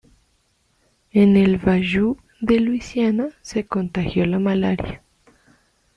En el bayou de Luisiana, se contagió malaria.